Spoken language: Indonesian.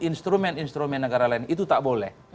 instrumen instrumen negara lain itu tak boleh